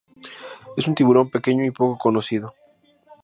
Es un tiburón pequeño y poco conocido.